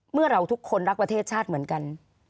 เมื่อเราทุกคนรักประเทศชาติเหมือนกัน